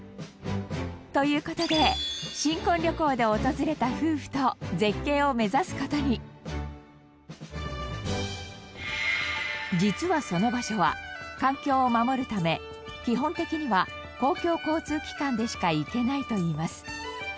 という事で新婚旅行で訪れた夫婦と実はその場所は環境を守るため基本的には公共交通機関でしか行けないといいます。